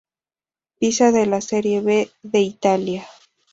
Pisa de la Serie B de Italia.